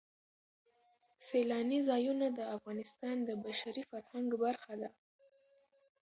سیلانی ځایونه د افغانستان د بشري فرهنګ برخه ده.